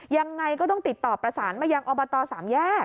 ยังไงก็ต้องติดต่อประสานมายังอบตสามแยก